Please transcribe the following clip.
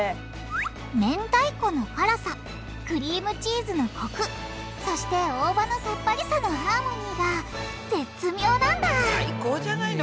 めんたいこの辛さクリームチーズのコクそして大葉のさっぱりさのハーモニーが絶妙なんだ最高じゃないの！